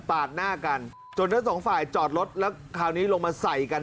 หน้ากันจนทั้งสองฝ่ายจอดรถแล้วคราวนี้ลงมาใส่กัน